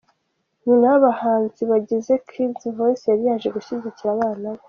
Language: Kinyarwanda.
Nyina w'abahanzi bagize Kidz Voice yari yaje gushyigikira abana be.